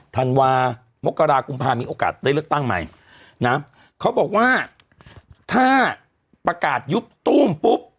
ธันวามกรากุมภามีโอกาสได้เลือกตั้งใหม่นะเขาบอกว่าถ้าประกาศยุบตู้มปุ๊บ